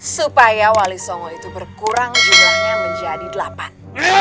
supaya wali songo itu berkurang jumlahnya menjadi delapan